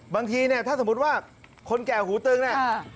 บางทีถ้าสมมุติว่าคนแก่หูตึงนี่